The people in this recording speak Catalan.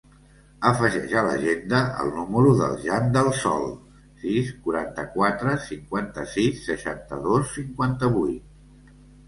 Afegeix a l'agenda el número del Jan Del Sol: sis, quaranta-quatre, cinquanta-sis, seixanta-dos, cinquanta-vuit.